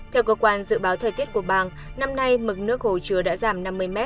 theo cơ quan dự báo thời tiết của bang năm nay mực nước hồ chứa đã giảm năm mươi m